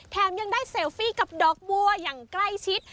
ยังได้เซลฟี่กับดอกบัวอย่างใกล้ชิด